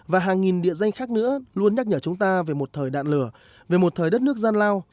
và hàng nghìn địa danh khác nữa luôn nhắc nhở chúng ta về một thời đạn lửa về một thời đất nước gian lao